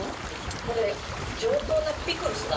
これ上等なピクルスだ。